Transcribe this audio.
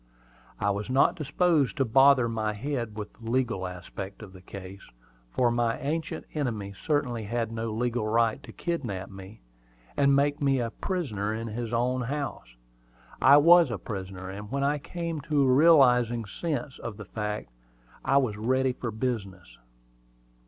I was not disposed to bother my head with the legal aspect of the case, for my ancient enemy certainly had no legal right to kidnap me, and make me a prisoner in his own house. I was a prisoner; and when I came to a realizing sense of the fact, I was ready for business.